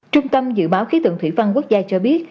trung tâm dự báo khí tượng thủy văn quốc gia cho biết